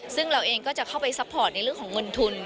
ซึ่งเราเองก็จะเข้าไปซัพพอร์ตในเรื่องของเงินทุน